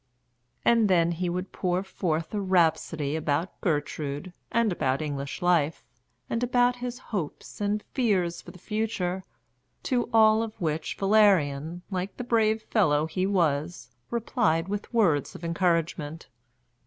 And then he would pour forth a rhapsody about Gertrude, and about English life, and about his hopes and fears for the future; to all of which Valerian, like the brave fellow he was, replied with words of encouragement.